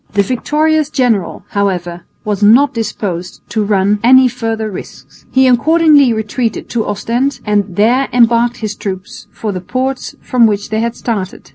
The victorious general, however, was not disposed to run any further risks. He accordingly retreated to Ostend and there embarked his troops for the ports from which they had started.